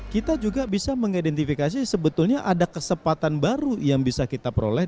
kita juga bisa mengidentifikasi sebetulnya ada kesempatan baru yang bisa kita peroleh